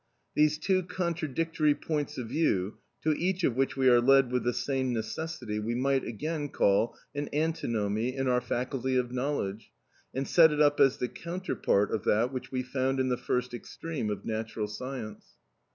These two contradictory points of view, to each of which we are led with the same necessity, we might again call an antinomy in our faculty of knowledge, and set it up as the counterpart of that which we found in the first extreme of natural science.